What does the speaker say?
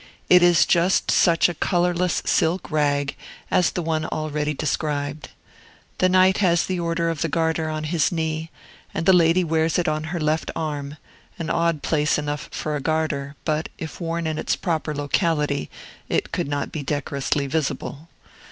It is just such a colorless silk rag as the one already described. The knight has the order of the Garter on his knee, and the lady wears it on her left arm, an odd place enough for a garter; but, if worn in its proper locality, it could not be decorously visible.